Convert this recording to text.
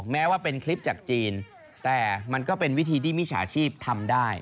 แม้ว่าเป็นคลิปจากจีนแต่มันก็เป็นวิธีที่มิจฉาชีพทำได้